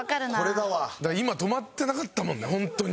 だから今止まってなかったもんねホントに。